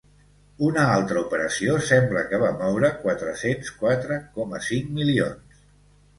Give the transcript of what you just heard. Una altra operació sembla que va moure quatre-cents quatre coma cinc milions.